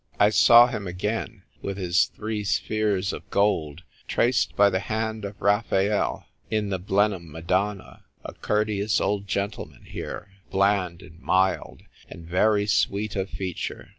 I saw him again, with his three spheres of gold, traced by the hand of Raphael in the Blenheim Madonna ; a cour teous old gentleman here, bland and mild, and very sweet of feature.